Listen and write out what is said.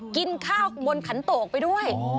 กินข้าวบนขันโตกไปด้วย